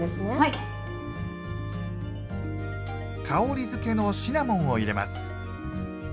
香りづけのシナモンを入れます。